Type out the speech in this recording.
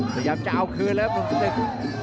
พยายามจะเอาคืนแล้วครับหนุ่มสตึก